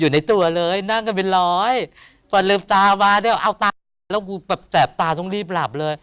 อยู่ในตัวเลยนั่งกันเป็นร้อยพอลืมตามาเดี๋ยวเอาตายแล้วกูแบบแสบตาต้องรีบหลับเลย